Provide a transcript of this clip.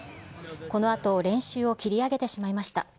このあと、練習を切り上げてしまいました。